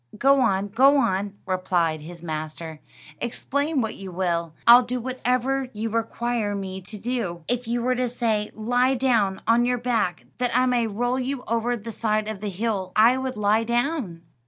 "Go on; go on," replied his master; "explain what you will, I'll do whatever you require me to do. If you were to say, 'Lie down on your back, that I may roll you over the side of the hill,' I would lie down."